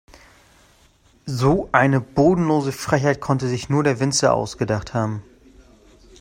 So eine bodenlose Frechheit konnte sich nur der Winzer ausgedacht haben.